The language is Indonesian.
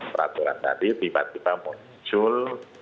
peraturan tadi tiba tiba muncul